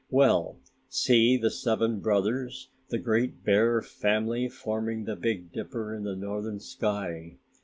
Well, see the Seven Brothers, the Great Bear family forming the Big Dipper in the northern sky.